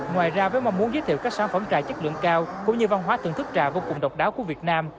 ngoài ra với mong muốn giới thiệu các sản phẩm trà chất lượng cao cũng như văn hóa thưởng thức trà vô cùng độc đáo của việt nam